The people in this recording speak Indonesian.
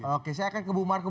oke saya akan ke bu marco